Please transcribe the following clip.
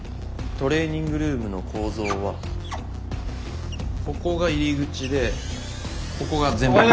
トレーニングルームの構造はここが入り口でここが全面窓。